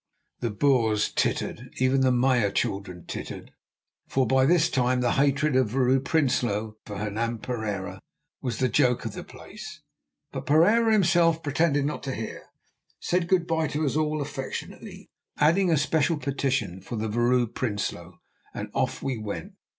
The Boers tittered; even the Meyer children tittered, for by this time the hatred of the Vrouw Prinsloo for Hernan Pereira was the joke of the place. But Pereira himself pretended not to hear, said good bye to us all affectionately, adding a special petition for the Vrouw Prinsloo, and off we went.